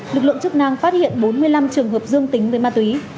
lực lượng chức năng phát hiện bốn mươi năm trường hợp dương tính với ma túy